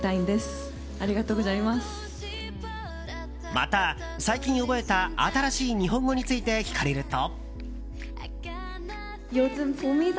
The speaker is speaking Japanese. また、最近覚えた新しい日本語について聞かれると。